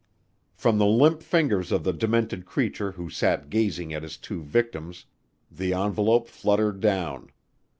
From the limp fingers of the demented creature who sat gazing at his two victims, the envelope fluttered down.